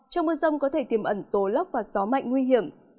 trong mưa rông có thể tiềm ẩn tố lốc và gió mạnh nguy hiểm